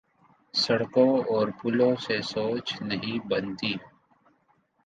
سڑکوں اور پلوں سے سوچ نہیں بنتی۔